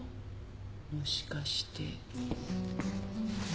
もしかして。